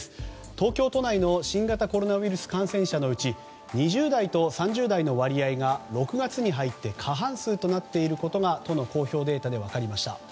東京都内の新型コロナウイルス感染者のうち２０代と３０代の割合が６月に入って過半数となっていることが都の公表データで明らかになりました。